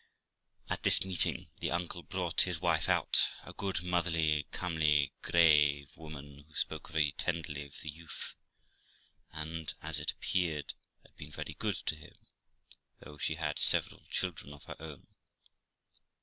At this meeting the uncle brought his wife out, a good, motherly, comely, grave woman, who spoke very tenderly of the youth, and, as it appeared, had been very good to him, though she had several children of her own.